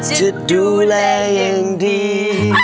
จะดูแลอย่างดี